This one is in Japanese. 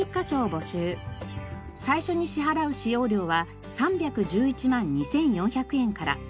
最初に支払う使用料は３１１万２４００円から。